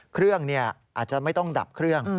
เครื่องอาจจะไม่ต้องดับเครื่อง